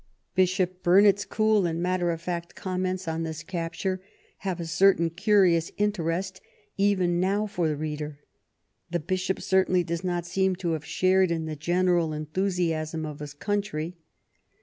Bishop Burnet's cool and matter of fact comments on this capture have a certain curious interest even now for the reader. The Bishop certainly does not seem to have shared in the general enthusiasm of his coun try.